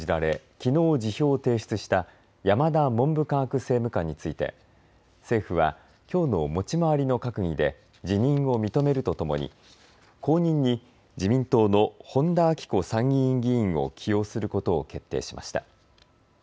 きのう辞表を提出した山田文部科学政務官について政府はきょうの持ち回りの閣議で辞任を認めるとともに後任に自民党の本田顕子参議院議員を起用することを決定しました。